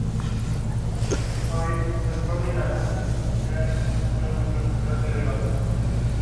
La historia de la colonización islandesa se menciona en el manuscrito "Landnámabók.